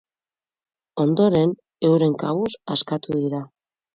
Ondoren, euren kabuz askatu dira.